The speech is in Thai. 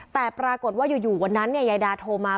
แต่ปรากฏว่าอยู่วันนั้นยายดาโทรมา